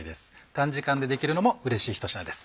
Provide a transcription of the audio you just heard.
短時間でできるのもうれしい一品です。